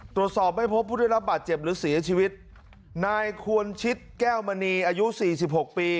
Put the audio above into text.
ตรวจสอบไม่พบผู้ได้รับบาดเจ็บหรือเสียชีวิตนายควรชิดแก้วมณีอายุสี่สิบหกปี